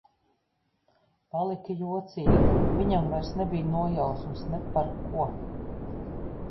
Palika jocīgi. Viņam vairs nebija nojausmas ne par ko.